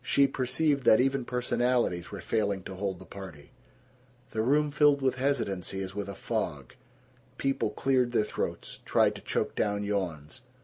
She perceived that even personalities were failing to hold the party. The room filled with hesitancy as with a fog. People cleared their throats, tried to choke down yawns.